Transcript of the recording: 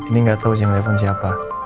ini gak tau siapa yang telpon siapa